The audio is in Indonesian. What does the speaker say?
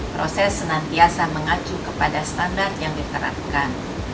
proses senantiasa mengacu kepada standar yang diterapkan